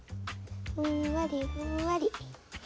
ふんわりふんわり。